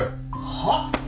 はっ？